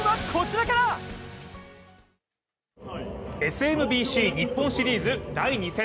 ＳＭＢＣ日本シリーズ第２戦。